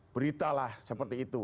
beritalah seperti itu